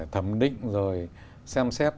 thẩm định rồi xem xét